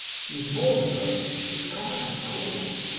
She was more than gracious; she was kind and cordial.